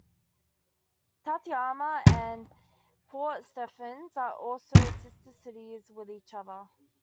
Tateyama and Port Stephens are also sister cities with each other.